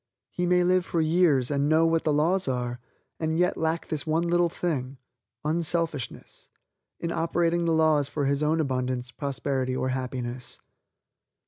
He may live for years, and know what the laws are, and yet lack this one little thing, unselfishness, in operating the laws for his own abundance, prosperity or happiness.